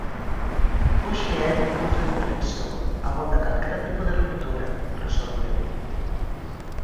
"Hoxe é un punto de inflexión: abonda calquera tipo de ruptura", resolveu.